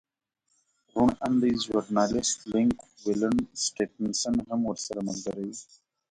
روڼ اندی ژورنالېست لینک ولن سټېفنس هم ورسره ملګری و.